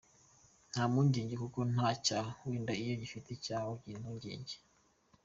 Nta mpungenge kuko nta cyaha, wenda iyo ufite icyaha ugira impungenge.